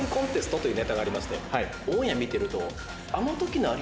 オンエア見てると。